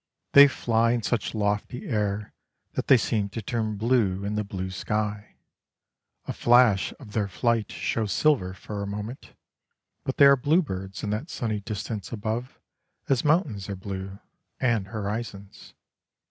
They fly in such lofty air that they seem to turn blue in the blue sky. A flash of their flight shows silver for a moment, but they are blue birds in that sunny distance above, as mountains are blue, and horizons.